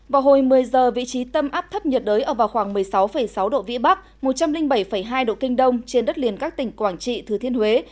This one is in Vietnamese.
vào hồi một mươi giờ vị trí tâm áp thấp nhiệt đới ở vào khoảng một mươi sáu sáu độ vĩ bắc một trăm linh bảy hai độ kinh đông trên đất liền các tỉnh quảng trị thừa thiên huế